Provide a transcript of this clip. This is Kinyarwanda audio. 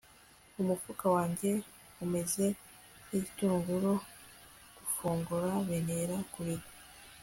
umufuka wanjye umeze nk'igitunguru, gufungura bintera kurira